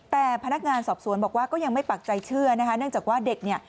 แต่พนักงานสอบสวนบอกว่าก็ยังไม่ปักใจเชื่อนะคะเนื่องจากว่าเด็กเนี่ย